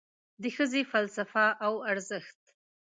د ښځې فلسفه او ارزښت